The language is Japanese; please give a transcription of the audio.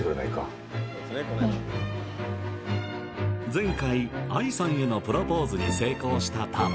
前回愛さんへのプロポーズに成功した太郎！